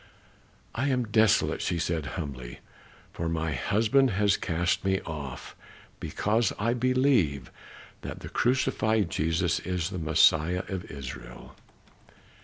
"I am desolate," she said humbly, "for my husband hath cast me off, because I believe that the crucified Jesus is the Messiah of Israel."